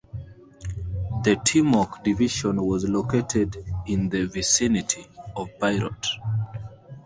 The Timok division was located in the vicinity of Pirot.